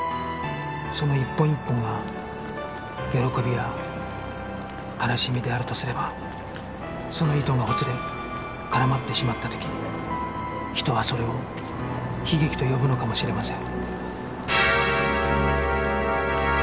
その一本一本が喜びや悲しみであるとすればその糸がほつれ絡まってしまった時人はそれを悲劇と呼ぶのかもしれません